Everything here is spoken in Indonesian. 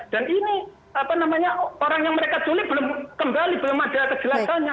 dan ini apa namanya orang yang mereka culi belum kembali belum ada kejelasannya